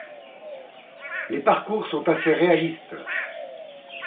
Les parcours sont assez réalistes.